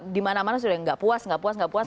dimana mana sudah nggak puas nggak puas nggak puas